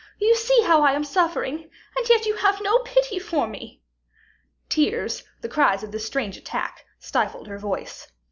You see how I am suffering, and yet you have no pity for me." Tears, the cries of this strange attack, stifled her voice.